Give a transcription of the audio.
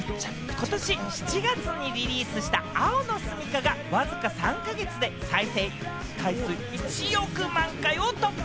ことし７月にリリースした『青のすみか』が、わずか３か月でストリーミング再生回数１億回を突破！